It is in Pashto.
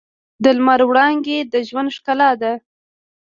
د لمر وړانګې د ژوند ښکلا ده.